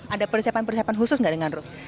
ada persiapan persiapan khusus nggak dengan ruh